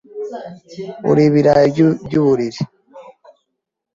Uri ibirayi byuburiri.